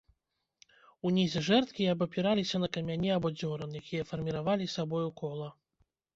Унізе жэрдкі абапіраліся на камяні або дзёран, якія фарміравалі сабою кола.